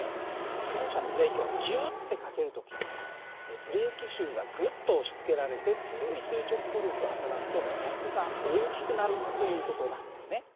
自転車のブレーキをギュッてかける時にブレーキシューがグッと押しつけられて強い垂直抗力がはたらくと摩擦が大きくなるという事なんだよね。